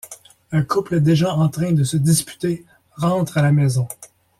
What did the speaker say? Un couple déjà en train de se disputer, rentre à la maison.